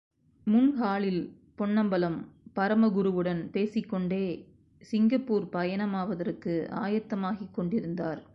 முன்ஹாலில் பொன்னம்பலம், பரமகுருவுடன் பேசிககொண்டே சிங்கப்பூர் பயணமாவதற்கு ஆயத்தமாகிக் கொண்டிருந்தார்.